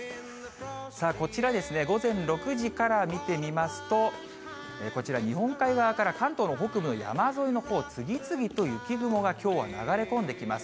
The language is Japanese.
さあ、こちらですね、午前６時から見てみますと、こちら、日本海側から関東の北部の山沿いのほう、次々と雪雲がきょうは流れ込んできます。